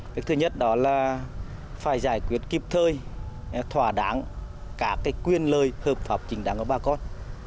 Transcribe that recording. cái thứ nhất đó là phải giải quyết kịp thời thỏa đáng các quyền lợi hợp pháp chính đáng của bà con